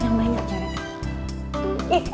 yang banyak coret